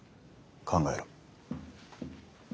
考えろ。